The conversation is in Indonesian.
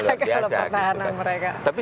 luar biasa gitu kan